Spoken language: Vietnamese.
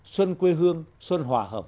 xuân quê hương xuân hòa hợp